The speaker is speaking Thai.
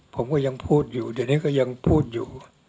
ผมก็ยังพูดอยู่เดี๋ยวนี้ก็ยังพูดอยู่